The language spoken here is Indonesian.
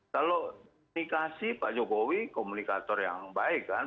kalau dikasih pak jokowi komunikator yang baik kan